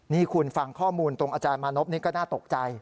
นี่คุณฟังข้อมูลตรงอาจารย์มานพนี่ก็น่าตกใจ